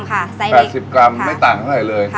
๘๐กรัมไม่ต่างเท่าไหร่เลย